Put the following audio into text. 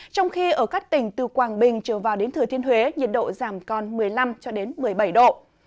trong khi ở các tỉnh từ quảng bình trở vào đến thừa thiên huế nhiệt độ giảm còn một mươi năm một mươi bảy độ